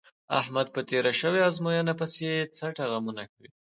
احمد په تېره شوې ازموینه پسې څټه غمونه کوي.